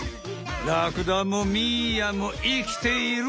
ラクダもミーアも生きている！